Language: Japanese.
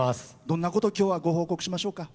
どんなことを今日はご報告しましょうか？